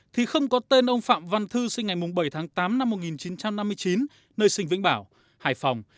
thì không có tên ông phạm văn thư sinh ngày bảy tháng tám năm một nghìn chín trăm năm mươi chín nơi sinh vĩnh bảo hải phòng